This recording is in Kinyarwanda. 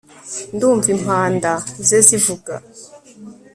ndumva impanda ze zivuga